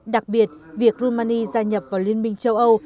đặc biệt việc romani gia nhập vào liên minh châu âu